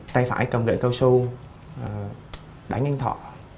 tay phải cầm lệ cao su đánh anh thọ